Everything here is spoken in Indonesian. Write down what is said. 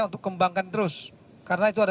untuk kembangkan terus karena itu ada